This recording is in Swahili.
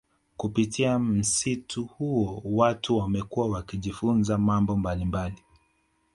Kupitia msitu huo watu wamekuwa wakijifunza mambo mbalimbali